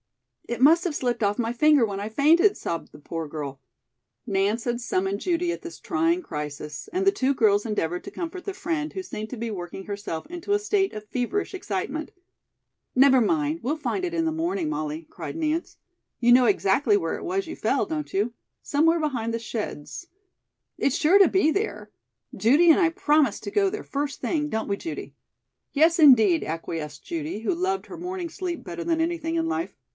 "It must have slipped off my finger when I fainted," sobbed the poor girl. Nance had summoned Judy at this trying crisis, and the two girls endeavored to comfort their friend, who seemed to be working herself into a state of feverish excitement. "Never mind, we'll find it in the morning, Molly," cried Nance. "You know exactly where it was you fell, don't you? Somewhere behind the sheds. It's sure to be there. Judy and I promise to go there first thing, don't we, Judy?" "Yes, indeed," acquiesced Judy, who loved her morning sleep better than anything in life.